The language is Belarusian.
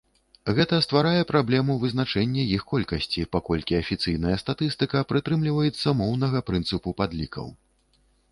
Гэта стварае праблему вызначэння іх колькасці, паколькі афіцыйная статыстыка прытрымліваецца моўнага прынцыпу падлікаў.